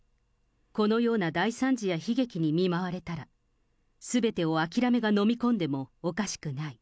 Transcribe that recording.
このような大惨事や悲劇に見舞われたら、すべてを諦めが飲み込んでもおかしくない。